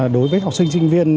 đối với học sinh sinh viên